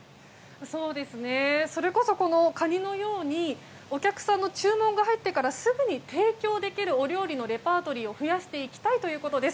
それこそ、カニのようにお客さんの注文が入ってからすぐに提供できるお料理のレパートリーを増やしていきたいということです。